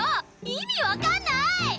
意味わかんない！